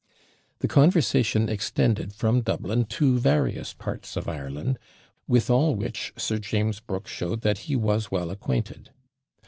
The conversation extended from Dublin to various parts of Ireland, with all which Sir James Brooke showed that he was well acquainted.